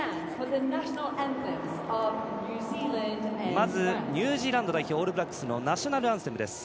まず、ニュージーランド代表オールブラックスのナショナルアンセムです。